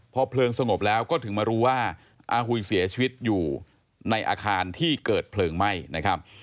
พอเพลิงสงบแล้วก็ถึงมารู้ว่าอาหุยเสียชีวิตอยู่ในอาคารที่เกิดเพลิงไหม้นะครับ